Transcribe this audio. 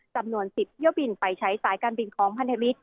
จำนวน๑๐เที่ยวบินไปใช้สายการบินของพันธมิตร